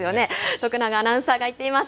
徳永アナウンサーが行っています。